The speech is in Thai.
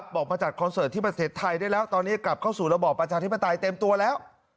บอกมาจัดคอนเสิร์ตที่ประเทศไทยได้แล้วตอนนี้กลับเข้าสู่ระบอบประชาธิปไตยเต็มตัวแล้ว